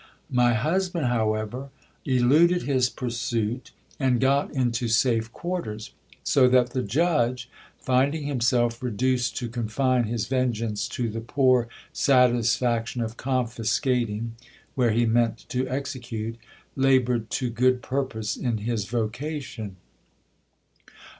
My husband, however, eluded his pursuit, and got into safe quarters ; so that the judge, finding himself reduced to confine his vengeance to the poor satisfaction of confiscating, where he meant to execute, laboured to good pur pose in his vocation.